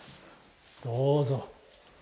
どうぞ。